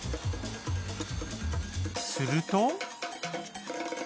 すると。